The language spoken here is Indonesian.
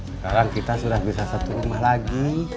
sekarang kita sudah bisa satu rumah lagi